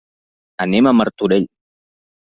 Anem a Martorell.